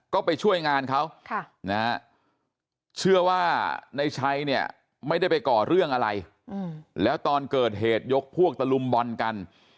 ก็ไปช่วยงานเขาเชื่อว่าในชัยเนี่ยไม่ได้ไปก่อเรื่องอะไรแล้วตอนเกิดเหตุยกพวกตะลุมบอลกัน